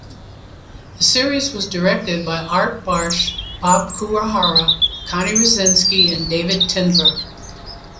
The series was directed by Art Bartsch, Bob Kuwahara, Connie Rasinski, and David Tendlar.